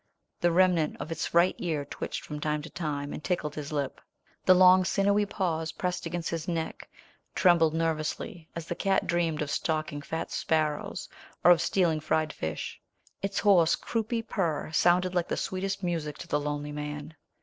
The remnant of its right ear twitched from time to time and tickled his lip. The long sinewy paws pressed against his neck trembled nervously, as the cat dreamed of stalking fat sparrows, or of stealing fried fish. Its hoarse croupy purr sounded like the sweetest music to the lonely man.